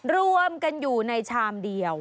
รวมกันอยู่ในชามเดียว